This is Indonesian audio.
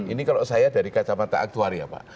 ini kalau saya dari kacamata aktuari ya pak